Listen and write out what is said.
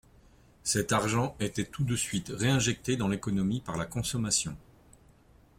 Cet argent était tout de suite réinjecté dans l’économie par la consommation.